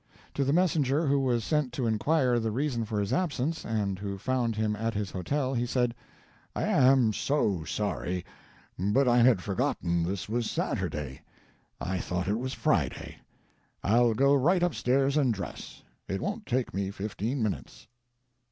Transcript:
To the messenger who was sent to inquire the reason for his absence, and who found him at his hotel, he said: "I am so sorry, but I had forgotten this was Saturday; I thought it was Friday; I'll go right up stairs and dress. It won't take me fifteen minutes."